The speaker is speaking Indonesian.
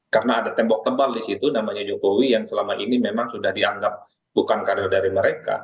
karena ada tembok tebal di situ namanya jokowi yang selama ini memang sudah dianggap bukan karir dari mereka